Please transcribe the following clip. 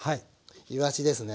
いわしですね。